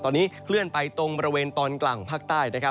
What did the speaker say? ตอนนี้เคลื่อนไปตรงบริเวณตอนกลางของภาคใต้